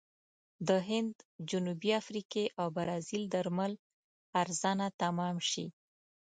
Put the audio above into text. د هند، جنوبي افریقې او برازیل درمل ارزانه تمام شي.